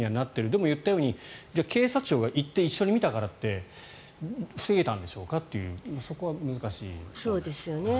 でも言ったように警察庁が行って一緒に見たからといって防げたんでしょうかというそこは難しいですね。